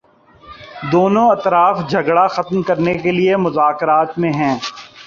دونوں اطراف جھگڑا ختم کرنے کے لیے مذاکرات میں ہیں